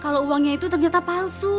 kalau uangnya itu ternyata palsu